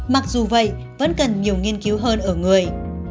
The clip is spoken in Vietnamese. mặc dù vậy vẫn cần nhiều nghiên cứu hơn ở người